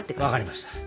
わかりました。